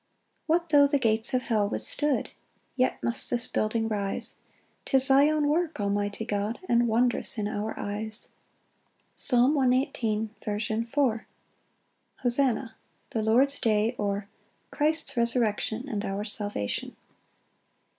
4 What tho' the gates of hell withstood, Yet must this building rise: 'Tis thy own work, almighty God, And wondrous in our eyes. Psalm 118:4. 24 25 26. Fourth Part. Hosanna; the Lord's day; or, Christ's resurrection and our salvation.